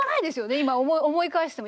今思い返しても。